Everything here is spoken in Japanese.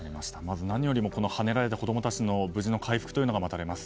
何よりもはねられた子供たちの無事の回復が待たれます。